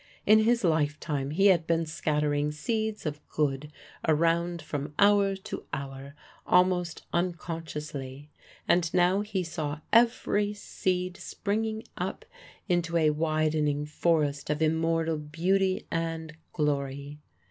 In his lifetime he had been scattering seeds of good around from hour to hour, almost unconsciously; and now he saw every seed springing up into a widening forest of immortal beauty and glory.